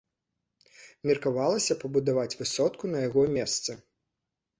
Меркавалася пабудаваць высотку на яго месцы.